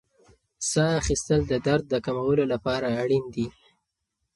ساه اخیستل د درد د کمولو لپاره اړین دي.